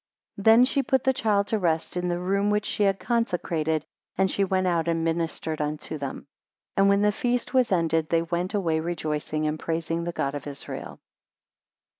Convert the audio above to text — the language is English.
9 Then she put the child to rest in the room which she had consecrated, and she went out and ministered unto them. 10 And when the feast was ended, they went away rejoicing, and praising the God of Israel.